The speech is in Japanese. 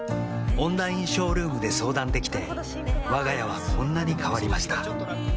オンラインショールームで相談できてわが家はこんなに変わりました